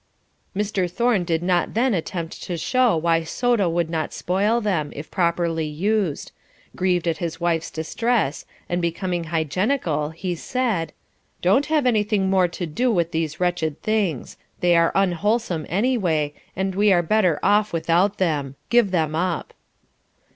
Mr. Thorne did not then attempt to show why soda would not spoil them, if properly used; grieved at his wife's distress, and becoming hygienical, he said: "Don't have anything more to do with these wretched things. They are unwholesome anyway, and we are better off without them. Give them up."